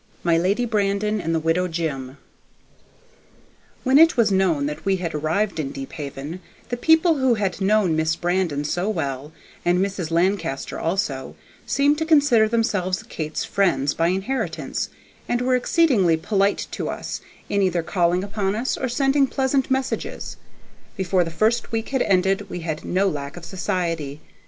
My Lady Brandon and the Widow Jim When it was known that we had arrived in Deephaven, the people who had known Miss Brandon so well, and Mrs. Lancaster also, seemed to consider themselves Kate's friends by inheritance, and were exceedingly polite to us, in either calling upon us or sending pleasant messages. Before the first week had ended we had no lack of society.